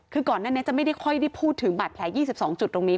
คือก่อนหน้านี้จะไม่ได้ค่อยได้พูดถึงบาดแผล๒๒จุดตรงนี้